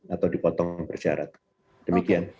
atau dipotong bersyarat demikian